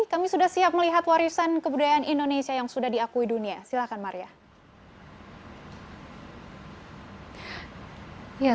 kami sudah siap melihat warisan kebudayaan indonesia yang sudah diakui dunia silahkan maria